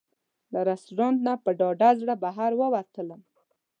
له رسټورانټ نه په ډاډه زړه بهر ووتلم.